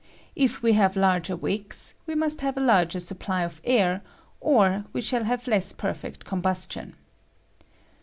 If we have larger wicks, we must have a larger supply of air, or we shall have less perfect com bustion.